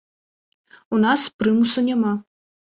У нас прымусу няма.